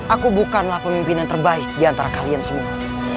aku bukanlah pemimpin yang terbaik di antara kalian semua